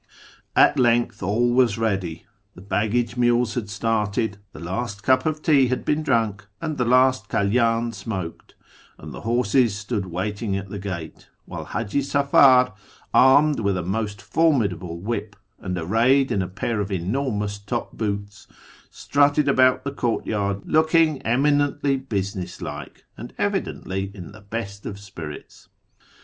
At length all was ready. The baggage mules had started; the last cup of tea had been drunk, and the last kalydn smoked ; and the horses stood waiting at the gate, while Haji Safar, armed with a most formidable whip, and arrayed in a pair of enormous top boots, strutted about the courtyard looking eminently business like, and evidently in the best of spirits.